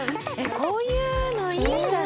こういうのいいんだね。